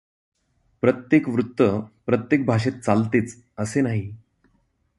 प्रत्येक वृत्त प्रत्येक भाषेत चालतेच असे नाही.